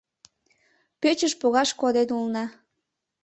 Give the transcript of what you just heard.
Пӧчыж погаш коден улына.